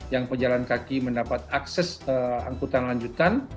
yang pejalan kaki mendapat akses angkutan lanjutan